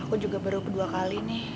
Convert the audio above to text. aku juga baru kedua kali nih